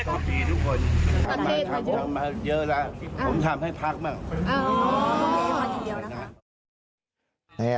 อ้อโอ้โฮ